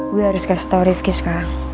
gue harus kasih tau rifqi sekarang